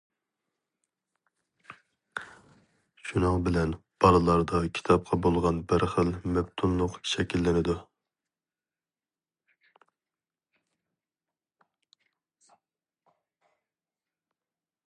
شۇنىڭ بىلەن بالىلاردا كىتابقا بولغان بىر خىل مەپتۇنلۇق شەكىللىنىدۇ.